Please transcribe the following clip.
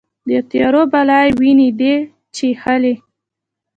د تیارو بلا یې وینې دي چیښلې